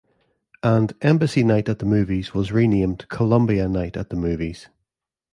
And "Embassy Night at the Movies" was renamed as "Columbia Night at the Movies".